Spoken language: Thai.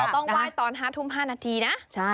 ต้องไหว้ตอน๕ทุ่ม๕นาทีนะ